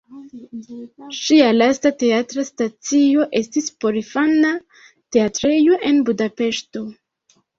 Ŝia lasta teatra stacio estis porinfana teatrejo en Budapeŝto.